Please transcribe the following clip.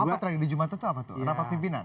apa tragedi jumat itu apa tuh rapat pimpinan